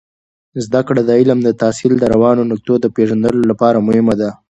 زده کړه د علم د تحصیل د روانو نقطو د پیژندلو لپاره مهمه ده.